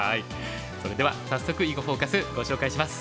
それでは早速「囲碁フォーカス」ご紹介します。